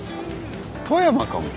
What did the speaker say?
富山かも。